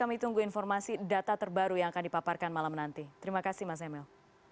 kami tunggu informasi data terbaru yang akan dipaparkan malam nanti terima kasih mas emil